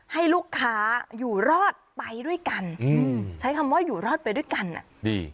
ให้ลูกค้าอยู่รอดไปด้วยกันอืมใช้คำว่าอยู่รอดไปด้วยกันอ่ะดี